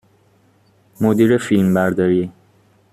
مدیر فیلمبرداری